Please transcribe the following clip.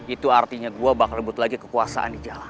itu artinya gue bakal rebut lagi kekuasaan di jalan